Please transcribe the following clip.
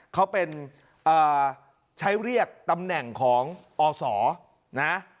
เขาเป็นใช้เรียกตำแหน่งของอศนะ